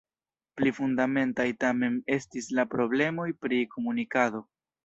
Pli fundamentaj tamen estis la problemoj pri komunikado.